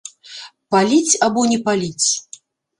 Паліць або не паліць?